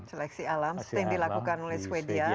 seleksi alam yang dilakukan oleh sweden